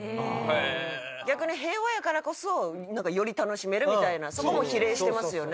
逆に平和やからこそより楽しめるみたいなそこも比例してますよね。